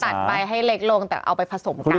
ตัดไปให้เล็กลงแต่เอาไปผสมกัน